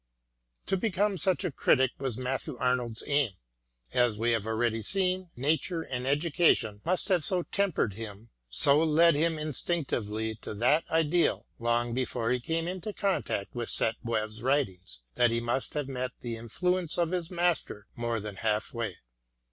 To become such a critic was Matthew Arnold's aim. As we have already seen, Nature and education must have so tempered him, so led him instinctively to that ideal, long before he came into contact with Sainte Beuve's writings, that he must have met the influence of his master more than half way.